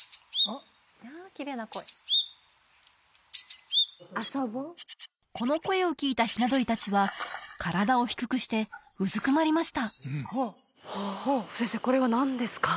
きれいな声この声を聴いたひな鳥達は体を低くしてうずくまりました先生これは何ですか？